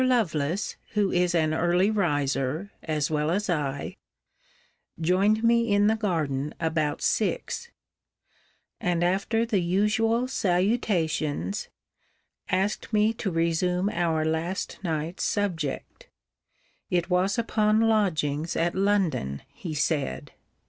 Lovelace, who is an early riser, as well as I, joined me in the garden about six; and after the usual salutations, asked me to resume our last night's subject. It was upon lodgings at London, he said.